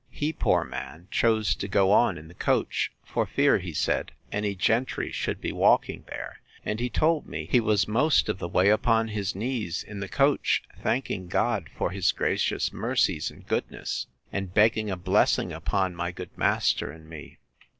He, poor man, chose to go on in the coach, for fear, he said, any gentry should be walking there; and he told me, he was most of the way upon his knees in the coach, thanking God for his gracious mercies and goodness; and begging a blessing upon my good master and me.